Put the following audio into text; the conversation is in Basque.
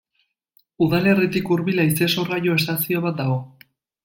Udalerritik hurbil haize-sorgailu estazio bat dago.